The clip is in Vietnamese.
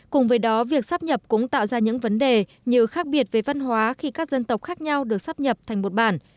cùng với đó việc sắp nhập cũng tạo ra những vấn đề như khác biệt về văn hóa khi các dân tộc khác nhau được sắp nhập thành một bản